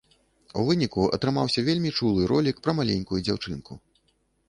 У выніку атрымаўся вельмі чулы ролік пра маленькую дзяўчынку.